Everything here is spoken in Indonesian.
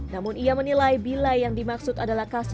namun ia menilai bila yang dimaksud adalah kasus